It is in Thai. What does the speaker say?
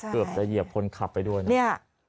เกือบจะเหยียบคนขับไปด้วยนะเนี่ย